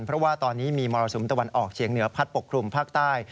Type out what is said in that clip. เพราะว่าตอนนี้มีมรสุมตะวันออกเฉียงเหนือพัดปกคลุมภาคใต้